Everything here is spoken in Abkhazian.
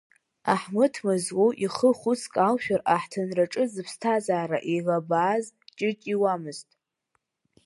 Аҳмыҭ Мазлоу ихы хәыцк алшәар аҳҭынраҿы зыԥсҭазаара еилабааз Ҷыҷ иуамызт.